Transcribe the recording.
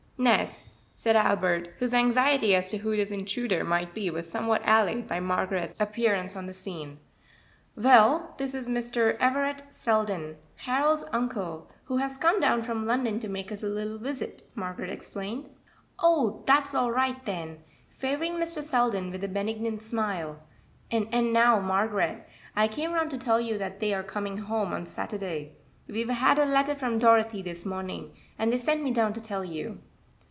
"Nes," said Albert, whose anxiety as to who this intruder might be was somewhat allayed by Margaret's appearance on the scene. "Well, this is Mr. Everett Selden, Harold's uncle, who has come down from London to make us a little visit," Margaret explained. "Oh, dat's all right den!" favoring Mr. Selden with a benignant smile; "and and now, Margaret. I came round to tell you dat dey are coming home on Saturday. We've had a letter from Dorothy dis morning, and dey sent me down to tell you."